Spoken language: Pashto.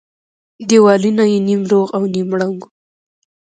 دېوالونه يې نيم روغ او نيم ړنگ وو.